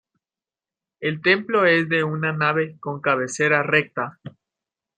El templo es de una nave con cabecera recta.